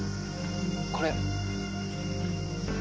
これ。